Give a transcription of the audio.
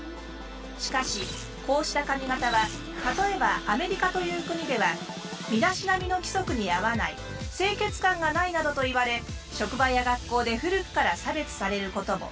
しかしこうした髪型は例えばアメリカという国では身だしなみの規則に合わない清潔感がないなどと言われ職場や学校で古くから差別されることも。